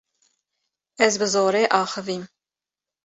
Ez bi zorê axivîm.